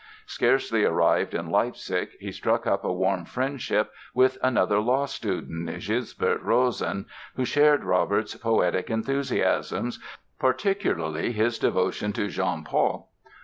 Scarcely arrived in Leipzig he struck up a warm friendship with another law student, Gisbert Rosen, who shared Robert's poetic enthusiasms, particularly his devotion to Jean Paul.